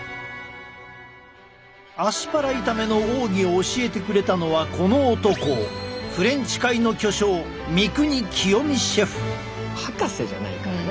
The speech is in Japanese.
アスパラ炒めの奥義を教えてくれたのはこの男フレンチ界の巨匠博士じゃないからね。